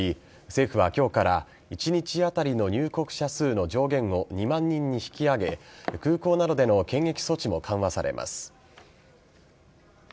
政府は今日から一日当たりの入国者数の上限を２万人に引き上げ空港などでの検疫措置も緩和されます。